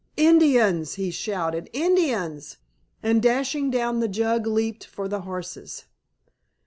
"Indians!" he shouted, "Indians!" and dashing down the jug leaped for the horses.